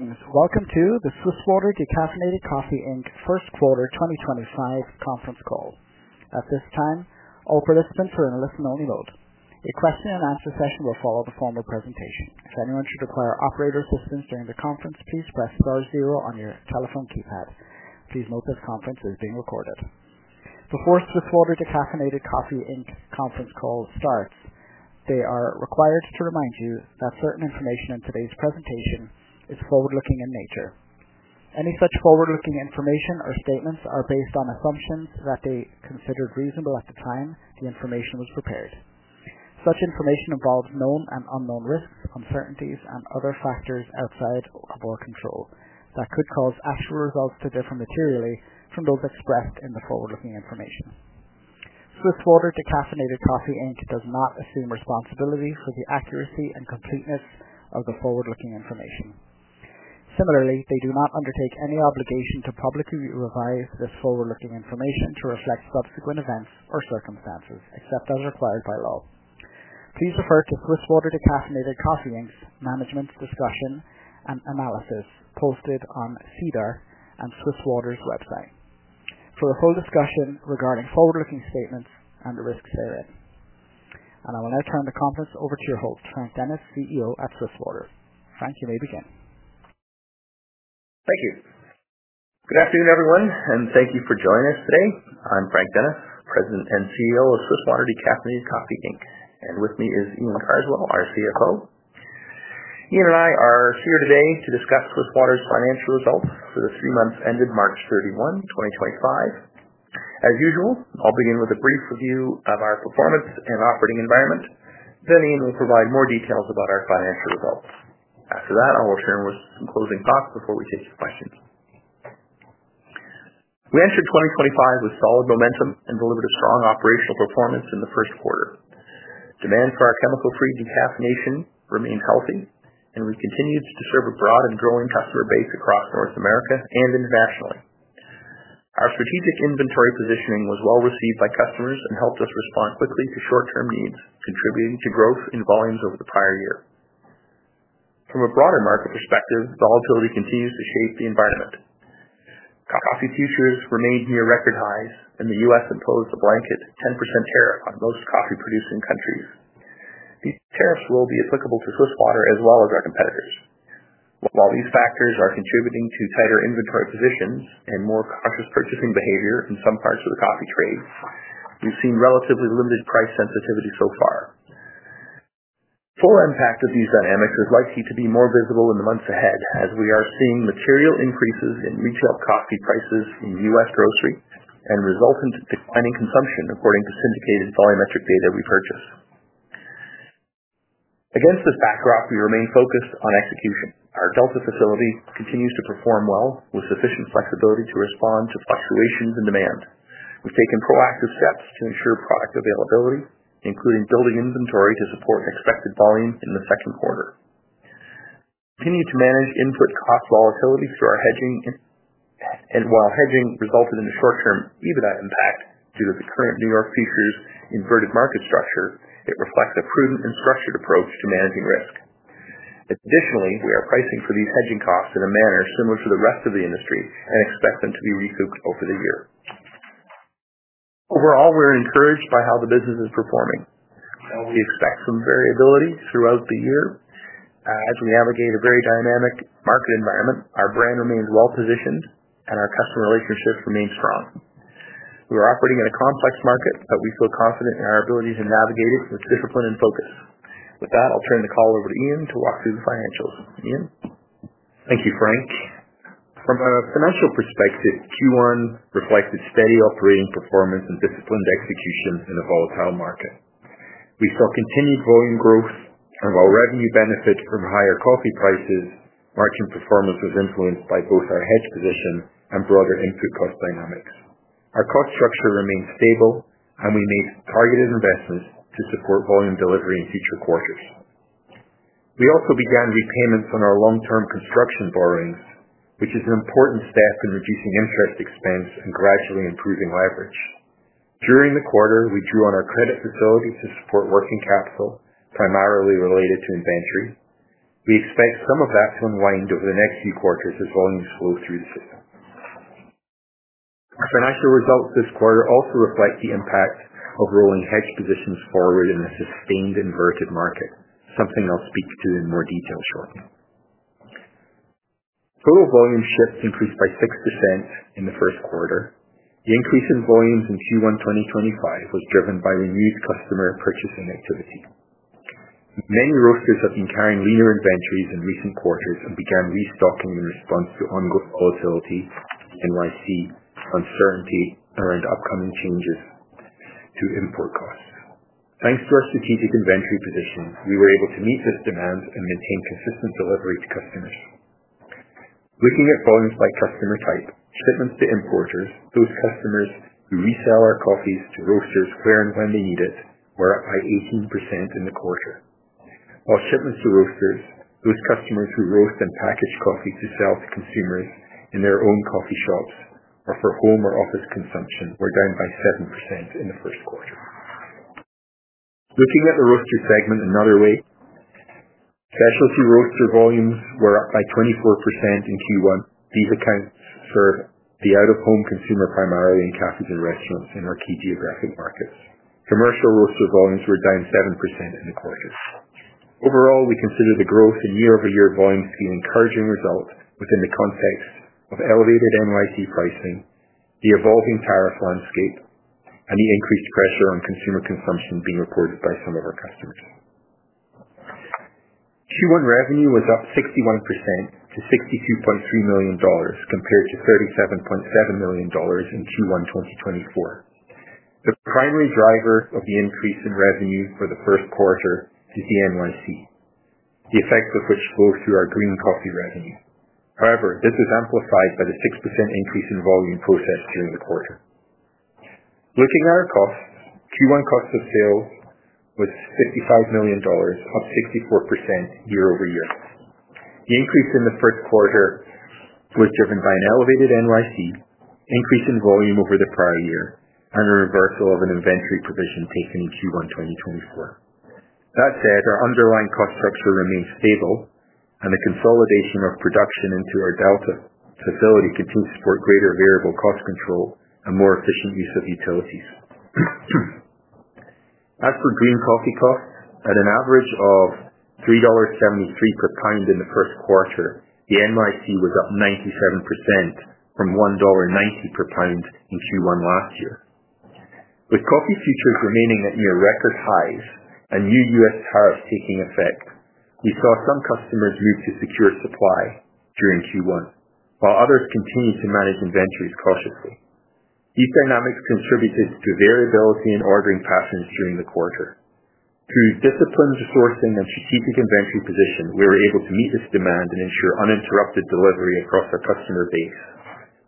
Welcome to the Swiss Water Decaffeinated Coffee Inc first quarter 2025 conference call. At this time, all participants are in a listen-only mode. A Q&A session will follow the formal presentation. If anyone should require operator assistance during the conference, please press star zero on your telephone keypad. Please note this conference is being recorded. Before Swiss Water Decaffeinated Coffee Inc's conference call starts, they are required to remind you that certain information in today's presentation is forward-looking in nature. Any such forward-looking information or statements are based on assumptions that they considered reasonable at the time the information was prepared. Such information involves known and unknown risks, uncertainties, and other factors outside of our control that could cause actual results to differ materially from those expressed in the forward-looking information. Swiss Water Decaffeinated Coffee Inc does not assume responsibility for the accuracy and completeness of the forward-looking information. Similarly, they do not undertake any obligation to publicly revise this forward-looking information to reflect subsequent events or circumstances, except as required by law. Please refer to Swiss Water Decaffeinated Coffee Inc's management discussion and analysis posted on SEDAR and Swiss Water's website for a full discussion regarding forward-looking statements and the risks therein. I will now turn the conference over to your host, Frank Dennis, CEO at Swiss Water. Frank, you may begin. Thank you. Good afternoon, everyone, and thank you for joining us today. I'm Frank Dennis, President and CEO of Swiss Water Decaffeinated Coffee Inc, and with me is Iain Carswell, our CFO. Iain and I are here today to discuss Swiss Water's financial results for the three months ended March 31, 2025. As usual, I'll begin with a brief review of our performance and operating environment. Iain will provide more details about our financial results. After that, I will share some closing thoughts before we take your questions. We entered 2025 with solid momentum and delivered a strong operational performance in the first quarter. Demand for our chemical-free decaffeination remained healthy, and we continued to serve a broad and growing customer base across North America and internationally. Our strategic inventory positioning was well received by customers and helped us respond quickly to short-term needs, contributing to growth in volumes over the prior year. From a broader market perspective, volatility continues to shape the environment. Coffee futures remained near record highs, and the U.S. imposed a blanket 10% tariff on most coffee-producing countries. These tariffs will be applicable to Swiss Water as well as our competitors. While these factors are contributing to tighter inventory positions and more conscious purchasing behavior in some parts of the coffee trade, we've seen relatively limited price sensitivity so far. Full impact of these dynamics is likely to be more visible in the months ahead, as we are seeing material increases in retail coffee prices in U.S. grocery and resultant declining consumption, according to syndicated volumetric data we purchase. Against this backdrop, we remain focused on execution. Our Delta facility continues to perform well with sufficient flexibility to respond to fluctuations in demand. We've taken proactive steps to ensure product availability, including building inventory to support expected volume in the second quarter. We continue to manage input cost volatility through our hedging, and while hedging resulted in a short-term EBITDA impact due to the current New York futures inverted market structure, it reflects a prudent and structured approach to managing risk. Additionally, we are pricing for these hedging costs in a manner similar to the rest of the industry and expect them to be recouped over the year. Overall, we're encouraged by how the business is performing. We expect some variability throughout the year as we navigate a very dynamic market environment. Our brand remains well positioned, and our customer relationships remain strong. We are operating in a complex market, but we feel confident in our ability to navigate it with discipline and focus. With that, I'll turn the call over to Iain to walk through the financials. Iain? Thank you, Frank. From a financial perspective, Q1 reflected steady operating performance and disciplined execution in a volatile market. We saw continued volume growth, and while revenue benefited from higher coffee prices, margin performance was influenced by both our hedge position and broader input cost dynamics. Our cost structure remained stable, and we made targeted investments to support volume delivery in future quarters. We also began repayments on our long-term construction borrowings, which is an important step in reducing interest expense and gradually improving leverage. During the quarter, we drew on our credit facility to support working capital, primarily related to inventory. We expect some of that to unwind over the next few quarters as volumes flow through the system. Our financial results this quarter also reflect the impact of rolling hedge positions forward in a sustained inverted market, something I'll speak to in more detail shortly. Total volume shifts increased by 6% in the first quarter. The increase in volumes in Q1 2025 was driven by renewed customer purchasing activity. Many roasters have been carrying leaner inventories in recent quarters and began restocking in response to ongoing volatility, NYC, uncertainty around upcoming changes to import costs. Thanks to our strategic inventory position, we were able to meet this demand and maintain consistent delivery to customers. Looking at volumes by customer type, shipments to importers, those customers who resell our coffees to roasters where and when they need it, were up by 18% in the quarter. While shipments to roasters, those customers who roast and package coffee to sell to consumers in their own coffee shops or for home or office consumption, were down by 7% in the first quarter. Looking at the roaster segment another way, specialty roaster volumes were up by 24% in Q1. These accounts serve the out-of-home consumer primarily in cafes and restaurants in our key geographic markets. Commercial roaster volumes were down 7% in the quarter. Overall, we consider the growth in year-over-year volumes to be an encouraging result within the context of elevated NYC pricing, the evolving tariff landscape, and the increased pressure on consumer consumption being reported by some of our customers. Q1 revenue was up 61% to 62.3 million dollars compared to 37.7 million dollars in Q1 2024. The primary driver of the increase in revenue for the first quarter is the NYC, the effect of which flows through our green coffee revenue. However, this is amplified by the 6% increase in volume processed during the quarter. Looking at our costs, Q1 cost of sales was 55 million dollars, up 64% year-over-year. The increase in the first quarter was driven by an elevated NYC, increase in volume over the prior year, and a reversal of an inventory provision taken in Q1 2024. That said, our underlying cost structure remains stable, and the consolidation of production into our Delta facility continues to support greater variable cost control and more efficient use of utilities. As for green coffee costs, at an average of 3.73 dollars per pound in the first quarter, the NYC was up 97% from 1.90 dollar per pound in Q1 last year. With coffee futures remaining at near record highs and new U.S. tariffs taking effect, we saw some customers move to secure supply during Q1, while others continued to manage inventories cautiously. These dynamics contributed to variability in ordering patterns during the quarter. Through disciplined sourcing and strategic inventory position, we were able to meet this demand and ensure uninterrupted delivery across our customer base.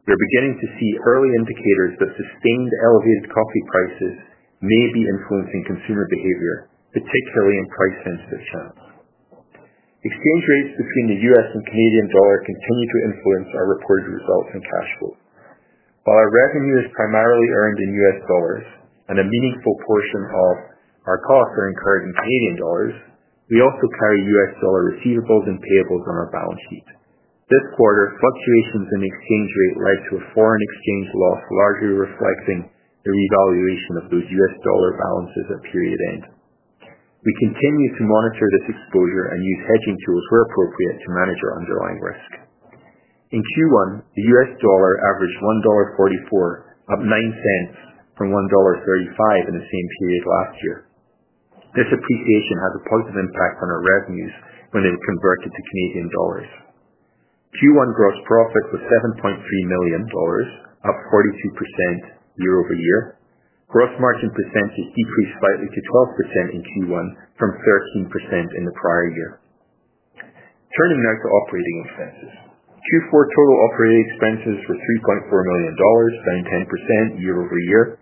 We're beginning to see early indicators that sustained elevated coffee prices may be influencing consumer behavior, particularly in price-sensitive channels. Exchange rates between the U.S. and Canadian dollar continue to influence our reported results in cash flow. While our revenue is primarily earned in U.S. dollars and a meaningful portion of our costs are incurred in Canadian dollars, we also carry U.S. dollar receivables and payables on our balance sheet. This quarter, fluctuations in exchange rate led to a foreign exchange loss largely reflecting the revaluation of those U.S. dollar balances at period end. We continue to monitor this exposure and use hedging tools where appropriate to manage our underlying risk. In Q1, the U.S. Dollar averaged 1.44 dollar, up 0.09 from 1.35 dollar in the same period last year. This appreciation has a positive impact on our revenues when it is converted to Canadian dollars. Q1 gross profit was 7.3 million dollars, up 42% year-over-year. Gross margin percentage decreased slightly to 12% in Q1 from 13% in the prior year. Turning now to operating expenses. Q4 total operating expenses were 3.4 million dollars, down 10% year-over-year.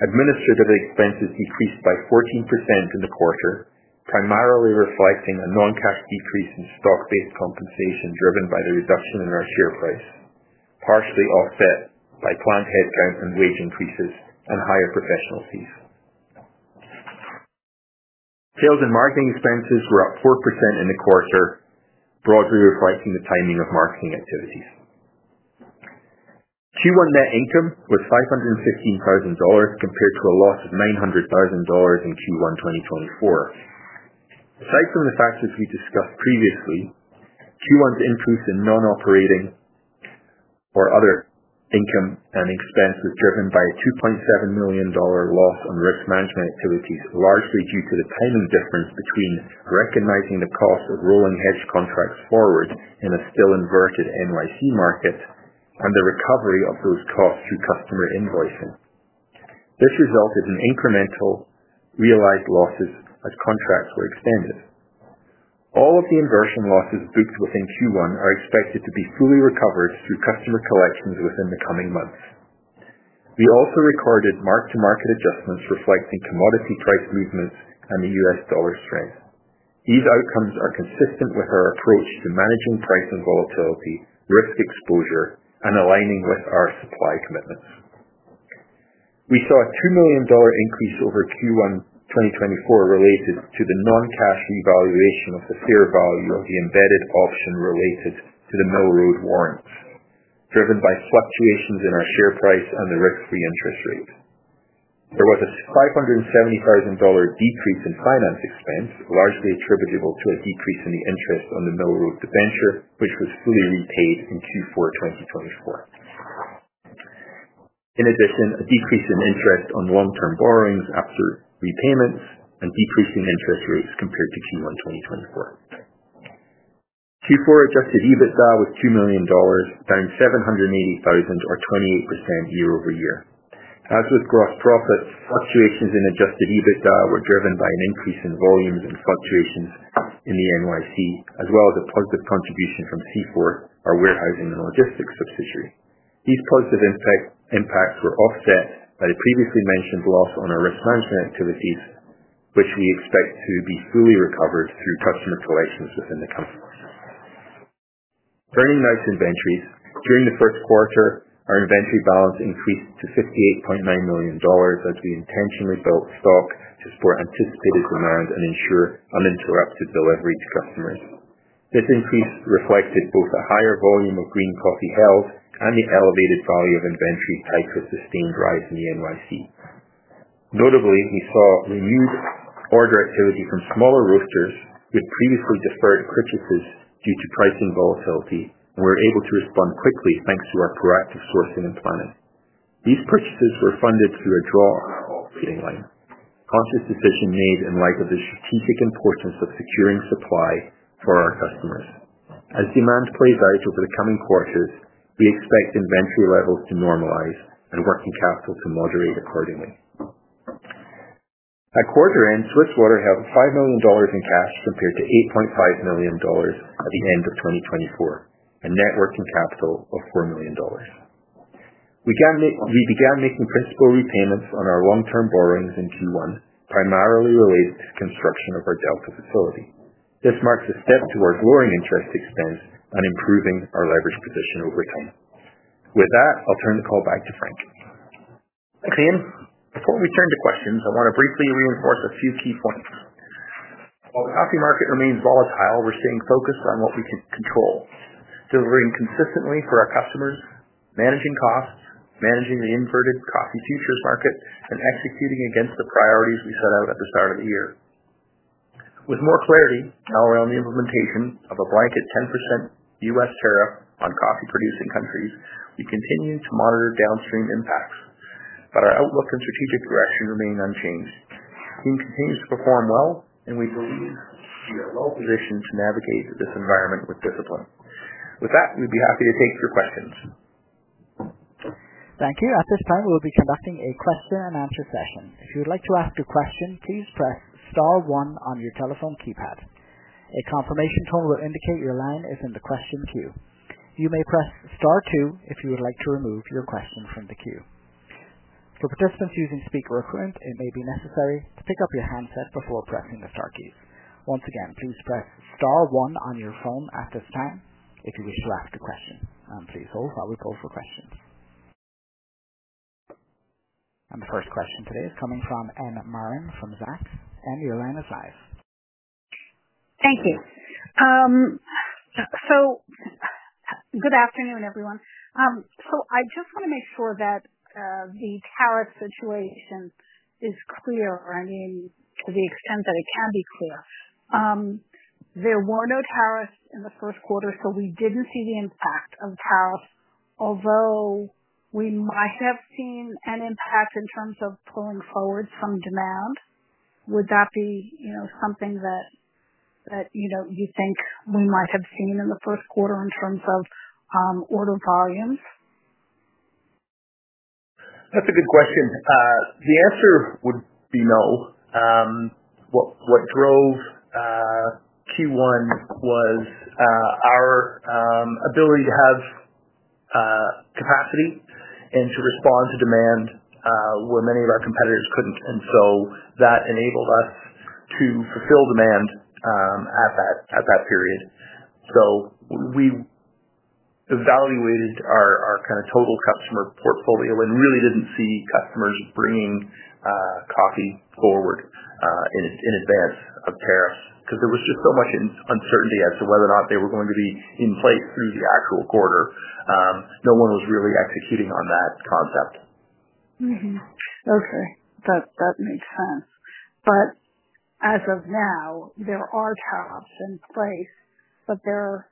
Administrative expenses decreased by 14% in the quarter, primarily reflecting a non-cash decrease in stock-based compensation driven by the reduction in our share price, partially offset by plant headcount and wage increases and higher professional fees. Sales and marketing expenses were up 4% in the quarter, broadly reflecting the timing of marketing activities. Q1 net income was 515,000 dollars compared to a loss of 900,000 dollars in Q1 2024. Aside from the factors we discussed previously, Q1's increase in non-operating or other income and expense was driven by a 2.7 million dollar loss on risk management activities, largely due to the timing difference between recognizing the cost of rolling hedge contracts forward in a still inverted NYC market and the recovery of those costs through customer invoicing. This resulted in incremental realized losses as contracts were extended. All of the inversion losses booked within Q1 are expected to be fully recovered through customer collections within the coming months. We also recorded mark-to-market adjustments reflecting commodity price movements and the U.S. dollar strength. These outcomes are consistent with our approach to managing price and volatility, risk exposure, and aligning with our supply commitments. We saw a 2 million dollar increase over Q1 2024 related to the non-cash revaluation of the fair value of the embedded option related to the Mill Road warrants, driven by fluctuations in our share price and the risk-free interest rate. There was a 570,000 dollar decrease in finance expense, largely attributable to a decrease in the interest on the Mill Road debenture, which was fully repaid in Q4 2024. In addition, a decrease in interest on long-term borrowings after repayments and decreasing interest rates compared to Q1 2024. Q4 adjusted EBITDA was 2 million dollars, down 780,000, or 28% year-over-year. As with gross profits, fluctuations in adjusted EBITDA were driven by an increase in volumes and fluctuations in the NYC, as well as a positive contribution from C4, our warehousing and logistics subsidiary. These positive impacts were offset by the previously mentioned loss on our risk management activities, which we expect to be fully recovered through customer collections within the company. Turning now to inventories, during the first quarter, our inventory balance increased to CAD 58.9 million as we intentionally built stock to support anticipated demand and ensure uninterrupted delivery to customers. This increase reflected both a higher volume of green coffee held and the elevated value of inventory tied to a sustained rise in the NYC. Notably, we saw renewed order activity from smaller roasters who had previously deferred purchases due to pricing volatility and were able to respond quickly thanks to our proactive sourcing and planning. These purchases were funded through a draw-out operating line, a conscious decision made in light of the strategic importance of securing supply for our customers. As demand plays out over the coming quarters, we expect inventory levels to normalize and working capital to moderate accordingly. At quarter end, Swiss Water held 5 million dollars in cash compared to 8.5 million dollars at the end of 2024 and net working capital of 4 million dollars. We began making principal repayments on our long-term borrowings in Q1, primarily related to construction of our Delta facility. This marks a step towards lowering interest expense and improving our leverage position over time. With that, I'll turn the call back to Frank. Thanks, Iain. Before we turn to questions, I want to briefly reinforce a few key points. While the coffee market remains volatile, we're staying focused on what we can control, delivering consistently for our customers, managing costs, managing the inverted coffee futures market, and executing against the priorities we set out at the start of the year. With more clarity now around the implementation of a blanket 10% U.S. tariff on coffee-producing countries, we continue to monitor downstream impacts, but our outlook and strategic direction remain unchanged. The team continues to perform well, and we believe we are well positioned to navigate this environment with discipline. With that, we'd be happy to take your questions. Thank you. At this time, we will be conducting a question-and-answer session. If you would like to ask a question, please press star one on your telephone keypad. A confirmation tone will indicate your line is in the question queue. You may press star two if you would like to remove your question from the queue. For participants using speakerphone, it may be necessary to pick up your handset before pressing the star keys. Once again, please press star one on your phone at this time if you wish to ask a question. Please hold while we poll for questions. The first question today is coming from Marla Marin from Zacks. And, your line is live. Thank you. Good afternoon, everyone. I just want to make sure that the tariff situation is clear, I mean, to the extent that it can be clear. There were no tariffs in the first quarter, so we did not see the impact of tariffs. Although we might have seen an impact in terms of pulling forward some demand, would that be something that you think we might have seen in the first quarter in terms of order volumes? That's a good question. The answer would be no. What drove Q1 was our ability to have capacity and to respond to demand where many of our competitors could not. That enabled us to fulfill demand at that period. We evaluated our kind of total customer portfolio and really did not see customers bringing coffee forward in advance of tariffs because there was just so much uncertainty as to whether or not they were going to be in place through the actual quarter. No one was really executing on that concept. Okay. That makes sense. As of now, there are tariffs in place, but they're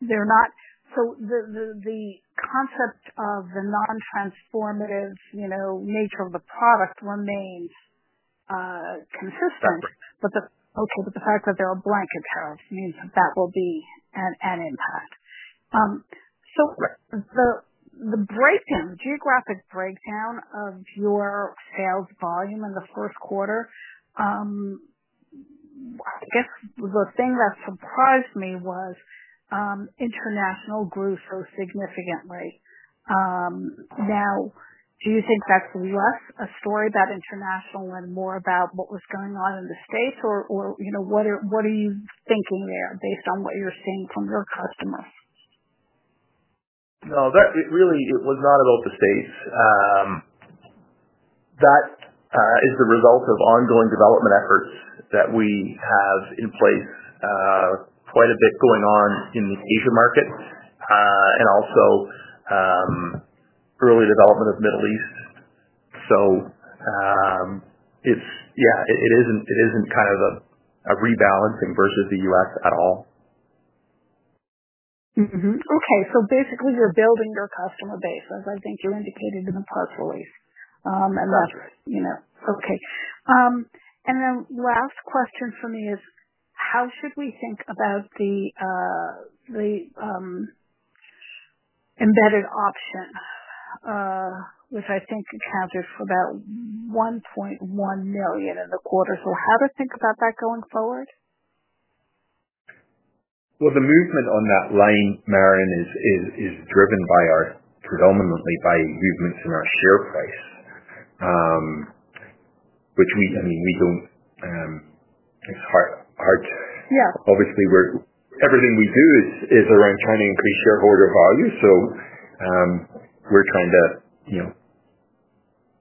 not, so the concept of the non-transformative nature of the product remains consistent. That's right. Okay. The fact that there are blanket tariffs means that that will be an impact. The geographic breakdown of your sales volume in the first quarter, I guess the thing that surprised me was international grew so significantly. Now, do you think that's less a story about international and more about what was going on in the States, or what are you thinking there based on what you're seeing from your customers? No, really, it was not about the States. That is the result of ongoing development efforts that we have in place, quite a bit going on in the Asian market and also early development of Middle East. Yeah, it isn't kind of a rebalancing versus the U.S. at all. Okay. So basically, you're building your customer base, as I think you indicated in the press release. [and Madrid] Okay. Last question for me is, how should we think about the embedded option, which I think accounted for about CAD 1.1 million in the quarter? How to think about that going forward? The movement on that line, Marin, is driven predominantly by movements in our share price, which, I mean, we don't—it's hard. Yeah. Obviously, everything we do is around trying to increase shareholder value. We are trying to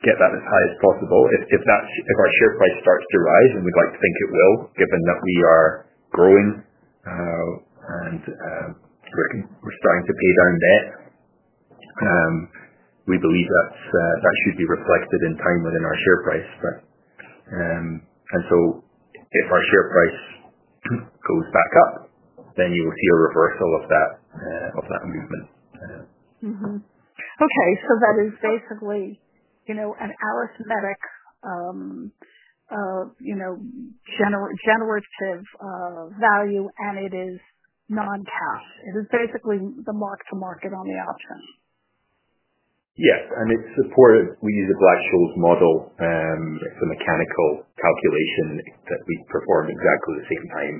get that as high as possible. If our share price starts to rise, and we'd like to think it will, given that we are growing and we're starting to pay down debt, we believe that should be reflected in time within our share price. If our share price goes back up, then you will see a reversal of that movement. Okay. So that is basically an arithmetic generative value, and it is non-cash. It is basically the mark-to-market on the option. Yes. We use a Black-Scholes model. It's a mechanical calculation that we perform exactly the same time,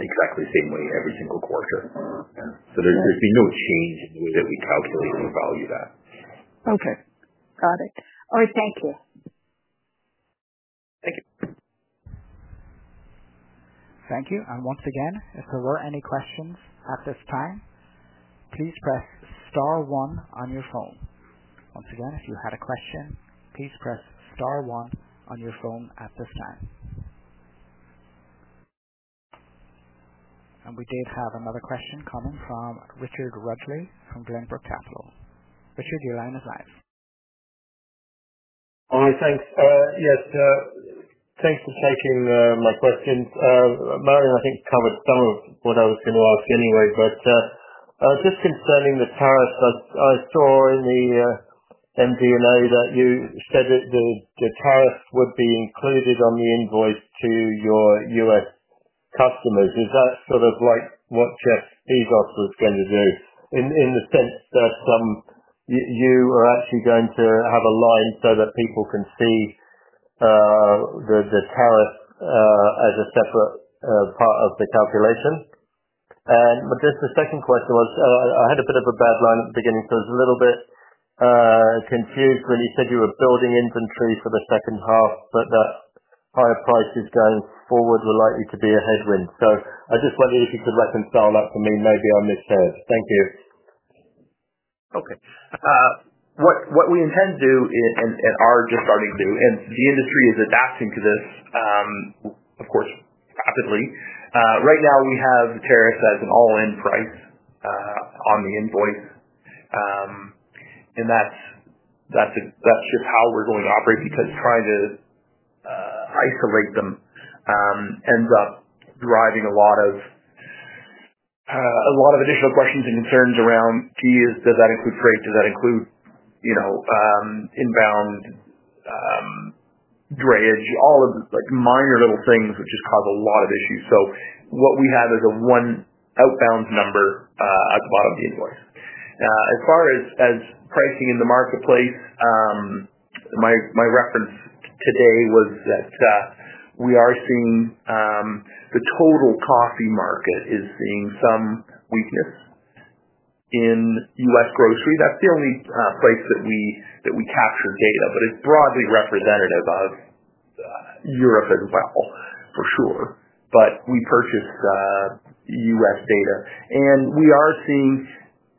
exactly the same way every single quarter. There's been no change in the way that we calculate and value that. Okay. Got it. All right. Thank you. Thank you. Thank you. If there were any questions at this time, please press star one on your phone. If you had a question, please press star one on your phone at this time. We did have another question coming from Richard Rudgley from Glenbrook Capital. Richard, your line is live. Hi. Thanks. Yes. Thanks for taking my questions. Marla, I think, covered some of what I was going to ask anyway. Just concerning the tariffs, I saw in the MD&A that you said that the tariffs would be included on the invoice to your U.S. customers. Is that sort of like what Jeff Bezos was going to do in the sense that you are actually going to have a line so that people can see the tariff as a separate part of the calculation? The second question was I had a bit of a bad line at the beginning, so I was a little bit confused when you said you were building inventory for the second half, but that higher prices going forward were likely to be a headwind. I just wondered if you could reconcile that for me. Maybe I misheard. Thank you. Okay. What we intend to do and are just starting to do, and the industry is adapting to this, of course, rapidly. Right now, we have tariffs as an all-in price on the invoice. That's just how we're going to operate because trying to isolate them ends up driving a lot of additional questions and concerns around, "Gee, does that include freight? Does that include inbound drayage?" All of the minor little things which just cause a lot of issues. What we have is one outbound number at the bottom of the invoice. As far as pricing in the marketplace, my reference today was that we are seeing the total coffee market is seeing some weakness in U.S. grocery. That's the only place that we capture data, but it's broadly representative of Europe as well, for sure. We purchase U.S. data. We are seeing,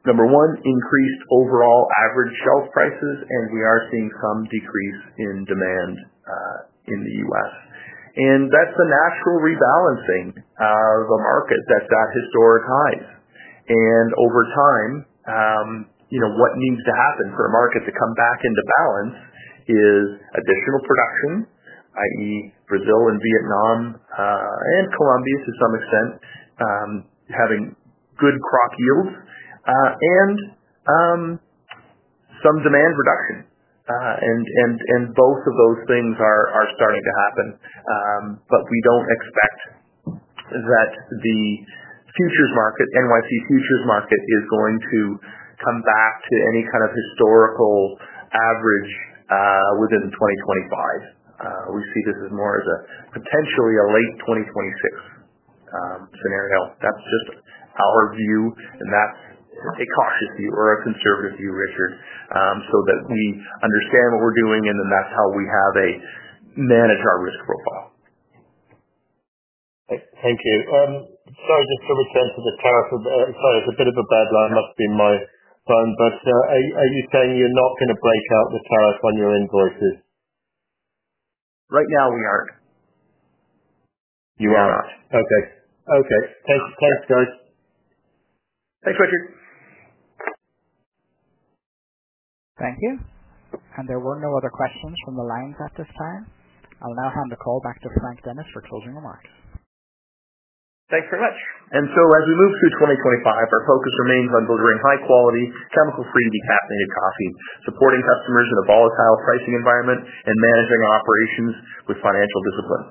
number one, increased overall average shelf prices, and we are seeing some decrease in demand in the U.S. That is a natural rebalancing of a market that is at historic highs. Over time, what needs to happen for a market to come back into balance is additional production, i.e., Brazil and Vietnam and Colombia to some extent, having good crop yields and some demand reduction. Both of those things are starting to happen. We do not expect that the NYC futures market is going to come back to any kind of historical average within 2025. We see this more as potentially a late 2026 scenario. That is just our view, and that is a cautious view or a conservative view, Richard, so that we understand what we are doing, and that is how we manage our risk profile. Thank you. Sorry, just to return to the tariff. Sorry, it's a bit of a bad line. Must be my phone. Are you saying you're not going to break out the tariff on your invoices? Right now, we aren't. You are not. Okay. Okay. Thanks, guys. Thanks, Richard. Thank you. There were no other questions from the lines at this time. I'll now hand the call back to Frank Dennis for closing remarks. Thanks very much. As we move through 2025, our focus remains on delivering high-quality, chemical-free decaffeinated coffee, supporting customers in a volatile pricing environment, and managing operations with financial discipline.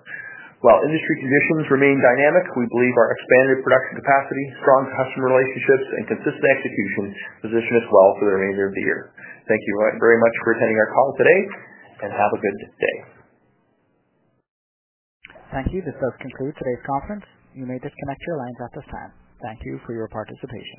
While industry conditions remain dynamic, we believe our expanded production capacity, strong customer relationships, and consistent execution position us well for the remainder of the year. Thank you very much for attending our call today, and have a good day. Thank you. This does conclude today's conference. You may disconnect your lines at this time. Thank you for your participation.